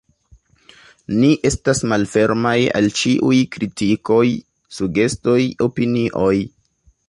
Ni estas malfermaj al ĉiuj kritikoj, sugestoj, opinioj.